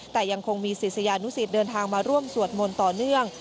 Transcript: แต่ยังคงมีศิษยานุสิตเดินทางมาร่วมสวดมนต์ต่อเนื่อง